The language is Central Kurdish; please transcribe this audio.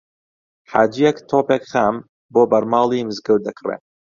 حاجییەک تۆپێک خام بۆ بەرماڵی مزگەوت دەکڕێ